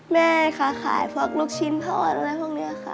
แม่ค้าขายพวกลูกชิ้นทอดอะไรพวกนี้ค่ะ